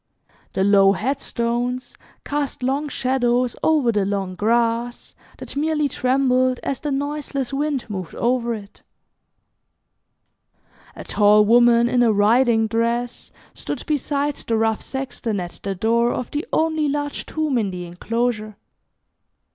The low headstones cast long shadows over the long grass that merely trembled as the noiseless wind moved over it. A tall woman in a riding dress stood beside the rough sexton at the door of the only large tomb in the enclosure.